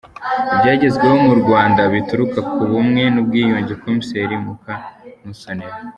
Ibyagezweho mu Rwanda bituruka ku bumwe n’ubwiyunge- Komiseri Mukamusonera